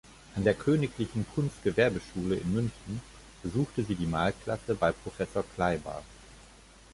An der Königlichen Kunstgewerbeschule in München besuchte sie die Malklasse bei Professor Kleiber.